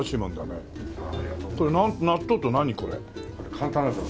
簡単なんですよ。